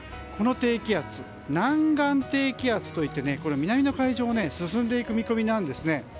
この低気圧、南岸低気圧といって南の海上を進んでいく見込みなんですね。